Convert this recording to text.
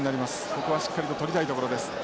ここはしっかりととりたいところです。